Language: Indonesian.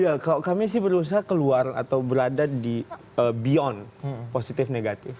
iya kami sih berusaha keluar atau berada di beyond positif negatif